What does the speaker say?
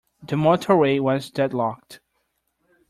The motorway was deadlocked.